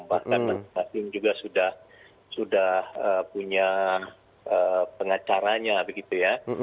bahkan penyelesaian ini juga sudah punya pengacaranya begitu ya